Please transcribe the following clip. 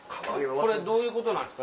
これどういうことなんですか？